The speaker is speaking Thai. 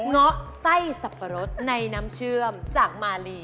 เงาะไส้สับปะรดในน้ำเชื่อมจากมาลี